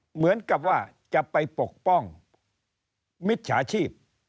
เหมือนกับว่าจะไปปกป้องมิจฉาชีพ